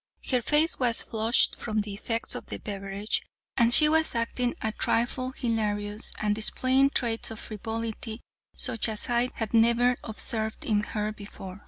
Her face was flushed from the effects of the beverage, and she was acting a trifle hilarious, and displaying traits of frivolity such as I had never observed in her before.